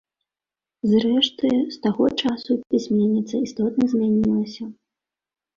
Зрэшты, з таго часу пісьменніца істотна змянілася.